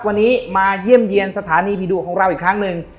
วันนี้มาเยี่ยมเยี่ยมสถานีผีดุของเราอีกครั้งหนึ่ง